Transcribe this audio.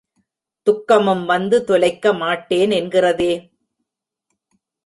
துக்கமும் வந்து தொலைக்க மாட்டேன் என்கிறதே!